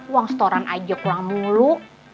uang setoran aja uang mulu